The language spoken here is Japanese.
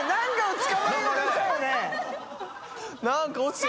何か落ちて。